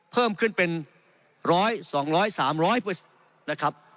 เพิ่มขึ้นเป็น๑๐๐๒๐๐๓๐๐นะครับ